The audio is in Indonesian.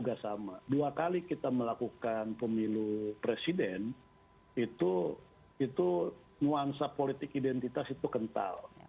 ketika ada yang dipercaya sebagai pemilu presiden itu nuansa politik identitas itu kental